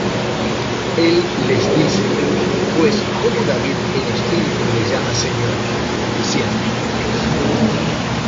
El les dice: ¿Pues cómo David en Espíritu le llama Señor, diciendo: